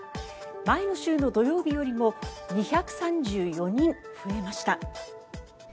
前の週の土曜日よりも２３４人増えました。